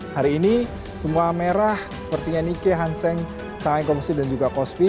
hari ini semua merah sepertinya nike hanseng shanghai komosi dan juga kospi